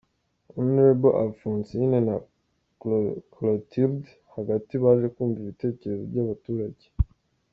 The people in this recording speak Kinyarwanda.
Hon Alphonsine na Clotilde hagati baje kumva ibitekerezo by’abaturage.